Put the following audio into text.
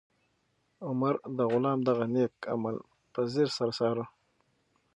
عمر د غلام دغه نېک عمل په ځیر سره څاره.